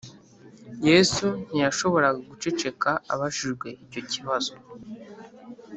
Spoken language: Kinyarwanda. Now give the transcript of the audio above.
yesu ntiyashoboraga guceceka abajijwe icyo kibazo